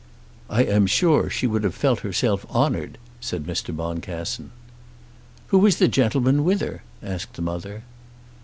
"I am sure she would have felt herself honoured," said Mr. Boncassen. "Who is the gentleman with her?" asked the mother.